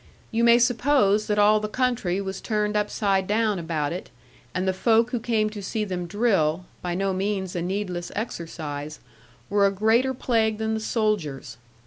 You may suppose that all the country was turned upside down about it; and the folk who came to see them drill by no means a needless exercise were a greater plague than the soldiers.